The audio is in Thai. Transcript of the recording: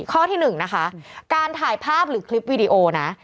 ข้อที่๑นะคะการถ่ายภาพหรือคลิปวีดีโอนะ